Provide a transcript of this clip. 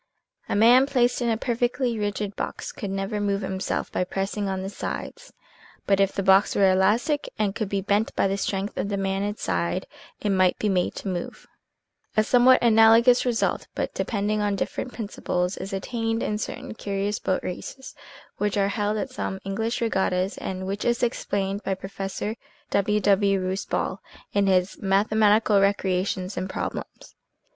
A man placed in a perfectly rigid box could never move himself by pressing on the sides, but if the box were elastic and could be bent by the strength of the man inside, it might be made to move. 128 CAN A MAN LIFT HIMSELF 129 A somewhat analogous result, but depending on different principles, is attained in certain curious boat races which are held at some English regattas and which is explained by Prof. W. W. Rouse Ball, in his " Mathematical Recrea tions and Problems."